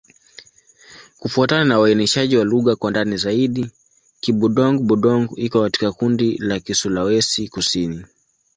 Kufuatana na uainishaji wa lugha kwa ndani zaidi, Kibudong-Budong iko katika kundi la Kisulawesi-Kusini.